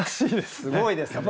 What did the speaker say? すごいですね。